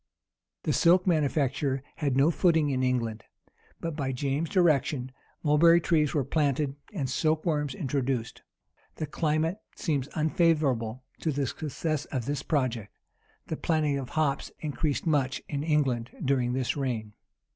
The silk manufacture had no footing in England: but, by James's direction, mulberry trees were planted, and silk worms introduced.[] The climate seems unfavorable to the success of this project. The planting of hops increased much in England during this reign.